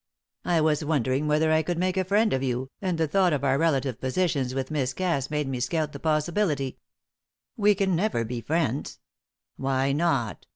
"I was wondering whether I could make a friend of you, and the thought of our relative positions with Miss Cass made me scout the possibility. We can never be friends." "Why not?